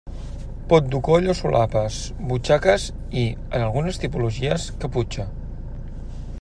Pot dur coll o solapes, butxaques i, en algunes tipologies, caputxa.